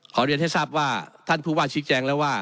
เรียนให้ทราบว่าท่านผู้ว่าชี้แจงแล้วว่า